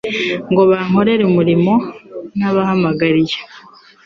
ngo bankorere umurimo nabahamagariye